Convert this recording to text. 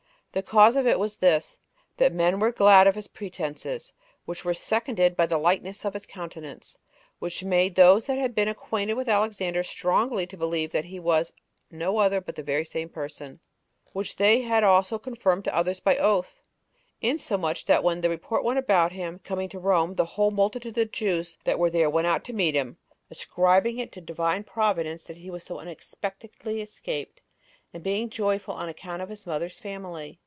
The cause of it was this, that men were glad of his pretenses, which were seconded by the likeness of his countenance, which made those that had been acquainted with Alexander strongly to believe that he was no other but the very same person, which they also confirmed to others by oath; insomuch that when the report went about him that he was coming to Rome, the whole multitude of the Jews that were there went out to meet him, ascribing it to Divine Providence that he has so unexpectedly escaped, and being very joyful on account of his mother's family.